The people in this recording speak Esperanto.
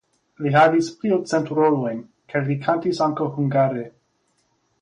Li havis pli ol cent rolojn kaj li kantis ankaŭ hungare.